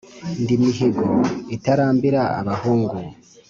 Ndi Mihigo itarambira abahungu